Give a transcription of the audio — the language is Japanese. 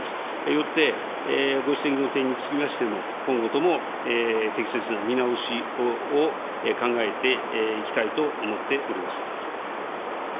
よってご指摘の点につきましても、今後とも適切な見直しを考えていきたいと思っております。